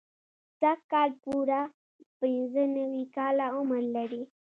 سږ کال پوره پنځه نوي کاله عمر لري.